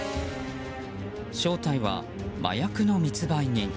正体は麻薬の密売人。